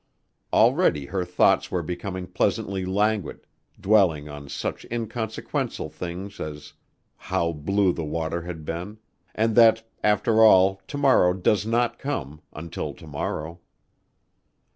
Already her thoughts were becoming pleasantly languid, dwelling on such inconsequential things as how blue the water had been and that after all to morrow does not come until to morrow.